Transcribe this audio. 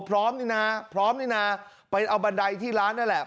พร้อมนี่นะพร้อมนี่นะไปเอาบันไดที่ร้านนั่นแหละ